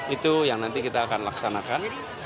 itu yang nanti kita akan laksanakan